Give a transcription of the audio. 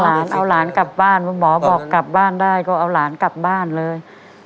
หลานเอาหลานกลับบ้านคุณหมอบอกกลับบ้านได้ก็เอาหลานกลับบ้านเลย